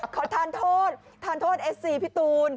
ขอทานโทษทานโทษเอฟซีพี่ตูน